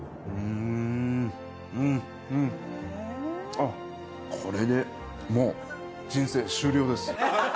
あっこれでもう人生終了です。